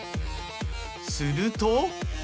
すると。